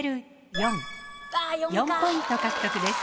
４ポイント獲得です。